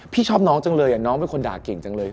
พี่ชอบน้องจังเลยน้องเป็นคนด่าเก่งจังเลย